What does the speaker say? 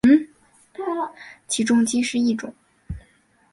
起重机是一种。